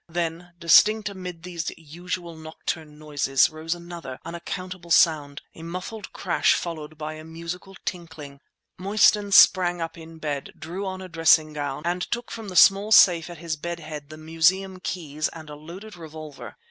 Then, distinct amid these usual nocturnal noises, rose another, unaccountable sound, a muffled crash followed by a musical tinkling. Mostyn sprang up in bed, drew on a dressing gown, and took from the small safe at his bed head the Museum keys and a loaded revolver.